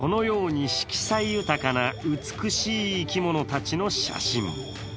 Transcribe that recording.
中には、このように色彩豊かな美しい生き物たちの写真。